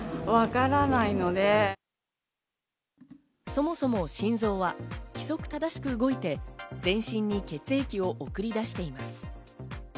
そもそも心臓は、規則正しく動いて全身に血液を送り出しています。